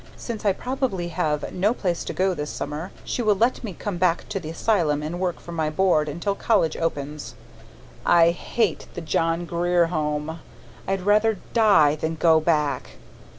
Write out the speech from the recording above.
Since I probably have no place to go this summer, she will let me come back to the asylum and work for my board until college opens. I HATE THE JOHN GRIER HOME. I'd rather die than go back.